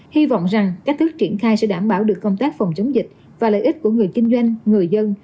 hy vọng rằng cách thức triển khai sẽ đảm bảo được công tác phòng chống dịch và lợi ích của người kinh doanh người dân